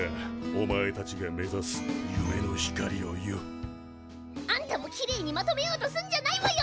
お前たちが目指す夢の光をよ。あんたもきれいにまとめようとすんじゃないわよ！